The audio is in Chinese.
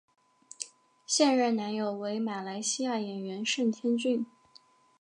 现任男友为马来西亚演员盛天俊。